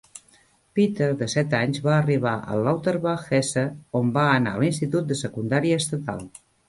Peter, de set anys, va arribar a Lauterbach, Hesse, on va anar a l'institut de secundària estatal.